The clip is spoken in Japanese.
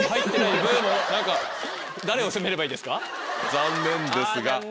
残念ですが。